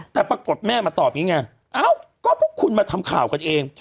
แต่ปรากฏแม่มาตอบอย่างนี้ไงเอ้าก็พวกคุณมาทำข่าวกันเอง